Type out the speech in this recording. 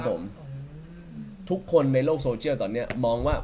ผมทุกคนในโลกโซเชียลตอนนี้มองว่า